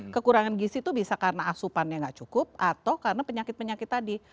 kekurangan gisi itu bisa karena asupannya nggak cukup atau karena penyakit penyakit tadi